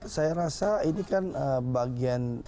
saya rasa ini kan bagian